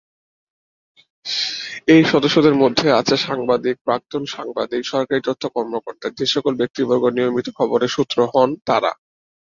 এর সদস্যদের মধ্যে আছে সাংবাদিক, প্রাক্তন সাংবাদিক, সরকারি তথ্য কর্মকর্তা, যেসকল ব্যক্তিবর্গ নিয়মিত খবরের সূত্র হন, তারা।